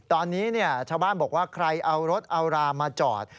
ตอนนี้ชาวบ้านบอกว่าใครเอารถเอารามาจอด